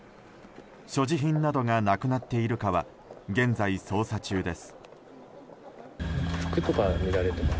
所持品などがなくなっているかは現在、捜査中です。